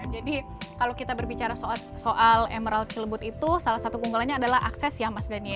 jadi kalau kita berbicara soal emerald celebut itu salah satu keunggulannya adalah akses ya mas daniel